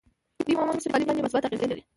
دوی په عمومي سوکالۍ باندې مثبت اغېز لري